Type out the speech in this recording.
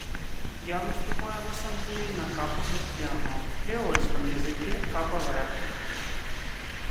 Я выступаю в Ассамблее на кабувердьяну — креольском языке Кабо-Верде.